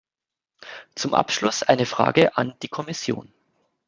Zum Abschluss eine Frage an die Kommission.